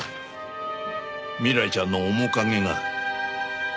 未来ちゃんの面影が。